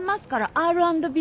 Ｒ＆Ｂ。